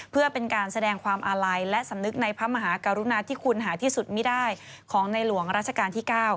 เพื่อเป็นการแสดงความอาลัยและสำนึกในพระมหากรุณาที่คุณหาที่สุดไม่ได้ของในหลวงราชการที่๙